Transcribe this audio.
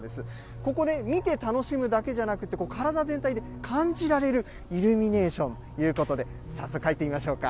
ここで、見て楽しむだけじゃなくて、体全体で感じられるイルミネーションということで、早速、入ってみましょうか。